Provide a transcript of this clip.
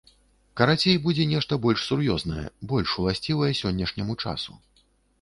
Карацей, будзе нешта больш сур'ёзнае, больш уласцівае сённяшняму часу.